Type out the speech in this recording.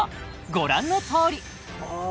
ご覧のとおりああ